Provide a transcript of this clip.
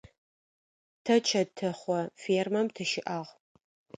Тэ чэтэхъо фермэм тыщыӏагъ.